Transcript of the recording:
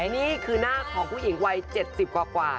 นี่คือหน้าของผู้หญิงวัย๗๐กว่า